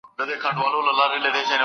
د سپي دا وصیت مي هم پوره کومه